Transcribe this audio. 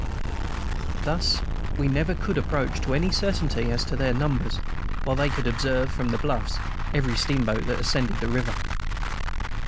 Thus we never could approach to any certainty as to their numbers, while they could observe, from the bluffs, every steamboat that ascended the river.